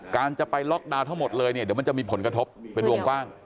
การจะไปล็อกดาวน์ทั้งหมดเลยเนี่ยเดี๋ยวมันจะมีผลกระทบเป็นวงกว้าง